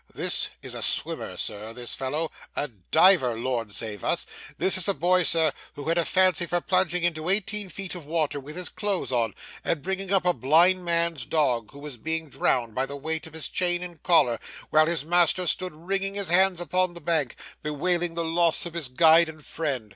This is a swimmer, sir, this fellow a diver, Lord save us! This is a boy, sir, who had a fancy for plunging into eighteen feet of water, with his clothes on, and bringing up a blind man's dog, who was being drowned by the weight of his chain and collar, while his master stood wringing his hands upon the bank, bewailing the loss of his guide and friend.